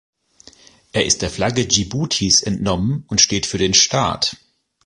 Er ist der Flagge Dschibutis entnommen und steht für den Staat.